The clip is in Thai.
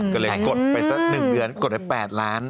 ก็เลยกดไปสัก๑เดือนกดไป๘ล้าน